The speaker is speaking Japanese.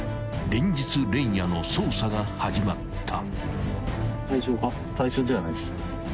連日連夜の捜査が始まった］